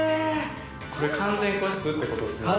これ完全個室ってことですもんね